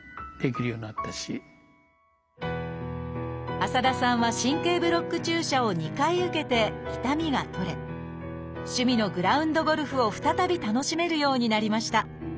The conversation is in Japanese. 浅田さんは神経ブロック注射を２回受けて痛みが取れ趣味のグラウンドゴルフを再び楽しめるようになりました。